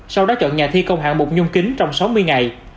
sau đó chọn nhà thi công hạng mục nhung kính trong sáu mươi ngày